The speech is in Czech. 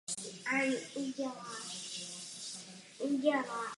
Tyto věci vzbudily naději.